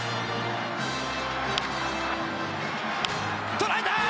捉えた！